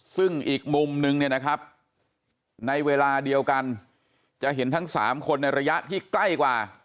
ซึ่งอีกมุมนึงเนี่ยนะครับในเวลาเดียวกันจะเห็นทั้ง๓คนในระยะที่ใกล้กว่า